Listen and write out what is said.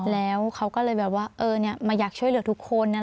แล้วเขาก็เลยแบบว่ามาอยากช่วยเหลือทุกคน